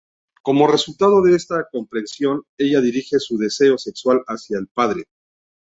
Como resultado de esta comprensión, ella dirige su deseo sexual hacia el padre.